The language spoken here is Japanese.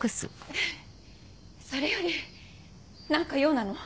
それより何か用なの？